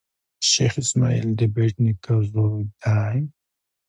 شېخ اسماعیل دبېټ نیکه زوی دﺉ.